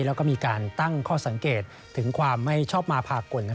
แล้วก็มีการตั้งข้อสังเกตถึงความไม่ชอบมาพากล